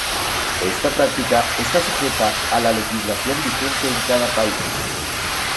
Esta práctica está sujeta a la legislación vigente en cada país.